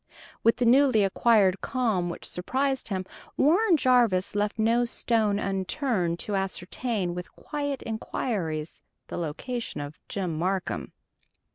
With the newly acquired calm which surprised him, Warren Jarvis left no stone unturned to ascertain, with quiet inquiries, the location of Jim Marcum.